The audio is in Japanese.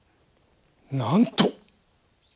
なんと！